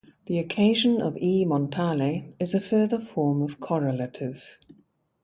The "occasion" of E. Montale is a further form of correlative.